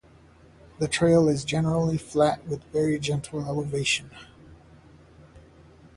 The trail is generally flat with very gentle elevation.